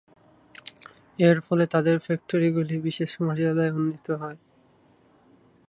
এর ফলে তাদের ফ্যাক্টরিগুলি বিশেষ মর্যাদায় উন্নীত হয়।